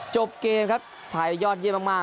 จบเกมครับไทยยอดเยี่ยมมาก